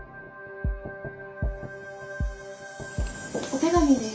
お手紙です。